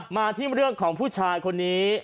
มาที่เรื่องของผู้ชายคนนี้